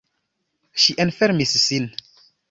Ŝi enfermis sin.